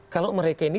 kalau mereka ini